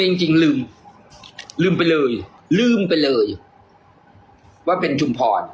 จริงจริงลืมลืมไปเลยลืมไปเลยว่าเป็นชุมพร